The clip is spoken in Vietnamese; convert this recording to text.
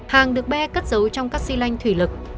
hàng được bé cất dấu trong các xi lanh thủy lực